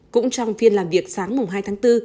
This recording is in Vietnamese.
cũng trong phiên làm việc sáng hai tháng bốn